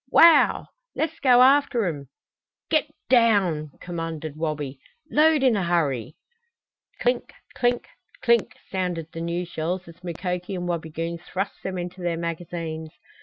Wow! Let's go after 'em!" "Get down!" commanded Wabi. "Load in a hurry!" Clink clink clink sounded the new shells as Mukoki and Wabigoon thrust them into their magazines.